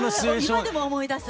今でも思い出す！